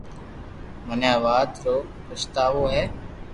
مني آ وات رو پچتاوہ ھيي